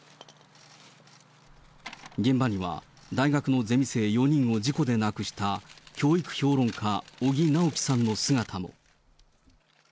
現場には大学のゼミ生４人を事故で亡くした教育評論家、尾木直樹さんの姿も。